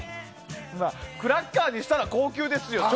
まあ、クラッカーにしたら高級ですよ。